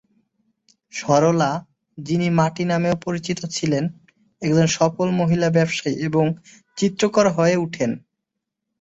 সরলা, যিনি মাটি নামেও পরিচিত ছিলেন, একজন সফল মহিলা ব্যবসায়ী এবং চিত্রকর হয়ে উঠেন।